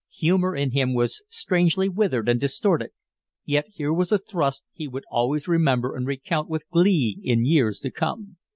Humor in him was strangely withered and distorted, yet here was a thrust he would always remember and recount with glee in years to come.